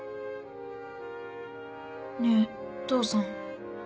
ねぇ父さん。